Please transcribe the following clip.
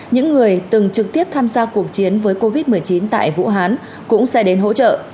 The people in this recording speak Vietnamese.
những người từng trực tiếp tham gia cuộc chiến với covid một mươi chín tại vũ hán cũng sẽ đến hỗ trợ